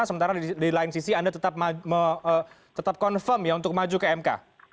sementara di lain sisi anda tetap confirm ya untuk maju ke mk